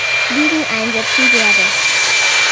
Ligen einsetzen werde“.